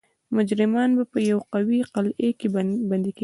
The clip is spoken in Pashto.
مجرمان به په یوې قلعې کې بندي کېدل.